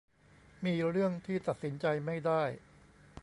มีเรื่องที่ตัดสินใจไม่ได้